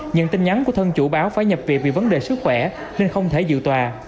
nhận tin nhắn của thân chủ báo phải nhập viện vì vấn đề sức khỏe nên không thể dự tòa